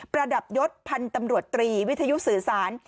ระดับยศพันธ์ตำรวจตรีวิทยุสื่อสาร